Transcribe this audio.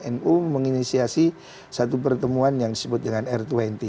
nu menginisiasi satu pertemuan yang disebut dengan r dua puluh